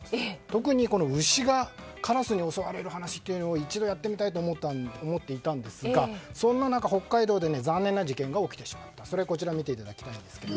特に牛がカラスに襲われる話を一度やってみたいと思っていたんですがそんな中、北海道で残念な事件が起きてしまった。